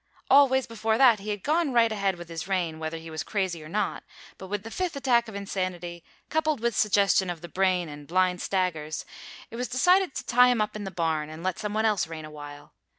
Always before that he had gone right ahead with his reign, whether he was crazy or not, but with the fifth attack of insanity, coupled with suggestion of the brain and blind staggers, it was decided to tie him up in the barn and let someone else reign awhile.